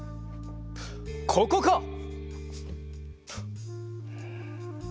ここか！